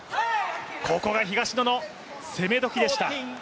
ここが東野の攻め時でした。